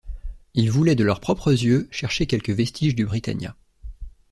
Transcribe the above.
Ils voulaient de leurs propres yeux chercher quelques vestiges du Britannia.